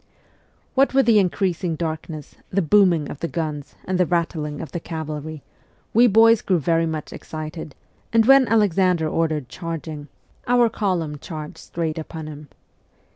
What with the increasing darkness, the booming of the guns, and the rattling of the cavalry, we boys grew very much excited, and when Alexander ordered charging. 142 MEMOIRS OF A REVOLUTIONIST our column charged straight upon him.